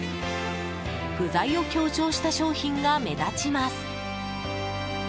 具材を強調した商品が目立ちます。